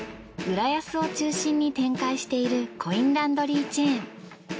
浦安を中心に展開しているコインランドリーチェーン。